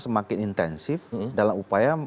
semakin intensif dalam upaya